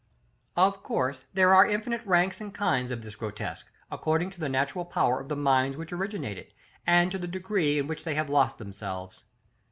§ XXXIX. Of course, there are infinite ranks and kinds of this grotesque, according to the natural power of the minds which originate it, and to the degree in which they have lost themselves.